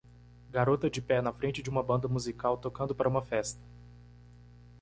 Garota de pé na frente de uma banda musical tocando para uma festa